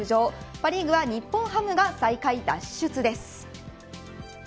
パ・リーグは日本ハムが最下位脱出です。